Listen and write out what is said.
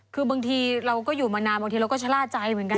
คือบางทีเราก็อยู่มานานบางทีเราก็ชะล่าใจเหมือนกัน